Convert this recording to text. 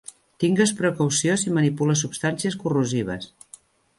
Tingues precaució si manipules substàncies corrosives.